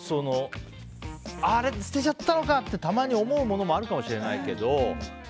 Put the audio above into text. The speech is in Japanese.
あれ捨てちゃったのかってたまに思うものもあるかもしれないけど。